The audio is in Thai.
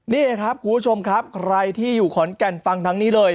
นี่ครับคุณผู้ชมครับใครที่อยู่ขอนแก่นฟังทางนี้เลย